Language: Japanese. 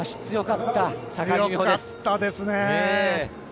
強かったですね。